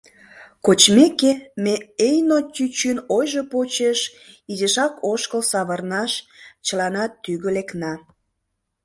Кочмеке, ме Эйно чӱчӱн ойжо почеш, изишак ошкыл савырнаш чыланат тӱгӧ лекна.